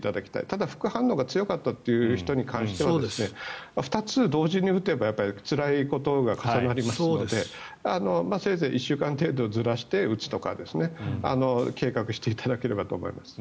ただ、副反応が強かったという人に関しては２つ同時に打てばつらいことが重なりますのでせいぜい１週間程度ずらして打つとか計画していただければと思います。